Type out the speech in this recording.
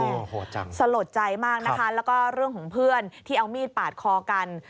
โอ้โหสลดใจมากนะคะแล้วก็เรื่องของเพื่อนที่เอามีดปาดคอกัน